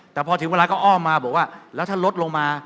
แต่พอถึงเวลาก็อ้อมมาบอกว่าแล้วถ้าลดลงมา